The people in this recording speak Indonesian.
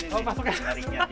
masuk ke sini